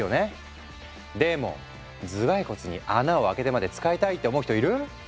でも頭蓋骨に穴を開けてまで使いたいって思う人いる？